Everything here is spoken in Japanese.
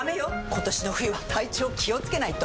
今年の冬は体調気をつけないと！